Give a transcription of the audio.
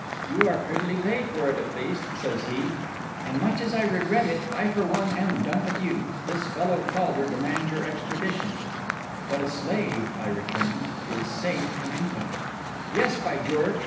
'You are prettily paid for it, at least,' says he; 'and much as I regret it, I, for one, am done with you. This fellow Caulder demands your extradition.' 'But a slave,' I returned, 'is safe in England.' 'Yes, by George!